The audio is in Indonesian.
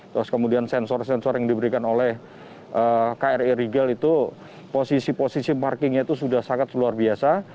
terus kemudian sensor sensor yang diberikan oleh kri rigel itu posisi posisi markingnya itu sudah sangat luar biasa